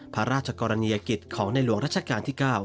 พระราชกรณียกิจของในหลวงรัชกาลที่๙